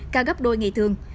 cao gấp đôi ngày thường